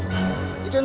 itu mah sama aja bang